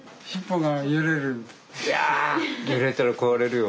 いや揺れたら壊れるよ。